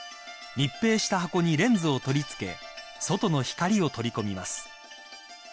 ［密閉した箱にレンズを取りつけ外の光を取り込みます］